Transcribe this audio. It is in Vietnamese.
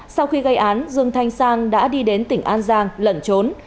sau khi gây án dương thanh sang đã đi đến tỉnh an giang lẩn trốn